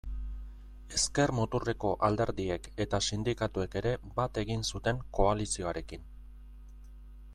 Ezker-muturreko alderdiek eta sindikatuek ere bat egin zuten koalizioarekin.